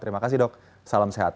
terima kasih dok salam sehat